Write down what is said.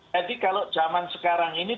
jadi kalau zaman sekarang ini